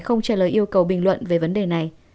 không trả lời yêu cầu bình luận về vấn đề này